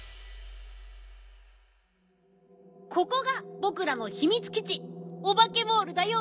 ここがぼくらのひみつきちオバケモールだよ。